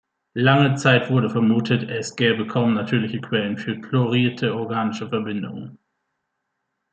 Lange Zeit wurde vermutet, es gäbe kaum natürliche Quellen für chlorierte organische Verbindungen.